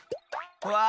うわ！